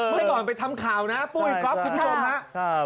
เมื่อก่อนไปทำข่าวนะปุ้ยก๊อฟคุณผู้ชมครับ